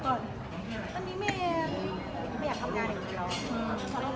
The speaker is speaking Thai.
ตอนนี้เมย์ไม่อยากทำงานอย่างนี้แล้ว